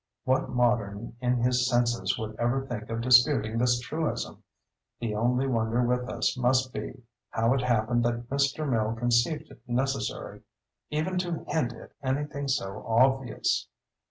What modern in his senses would ever think of disputing this truism? The only wonder with us must be, how it happened that Mr. Mill conceived it necessary even to hint at any thing so obvious.